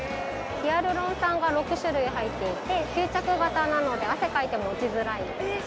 ヒアルロン酸が６種類入っていて吸着型なので汗かいても落ちづらいです